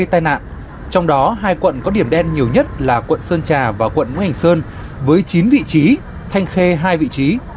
trong đó hai quận có điểm đen nhiều nhất là quận sơn trà và quận ngũ hành sơn với chín vị trí thanh khê hai vị trí